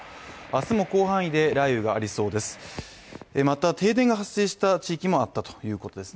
明日も広範囲で雷雨がありそうです